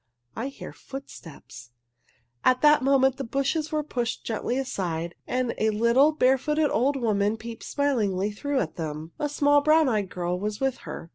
"I hear footsteps!" At that moment the bushes were pushed gently aside and a little, barefooted old woman peeped smilingly through at them. A small, brown eyed girl was with her.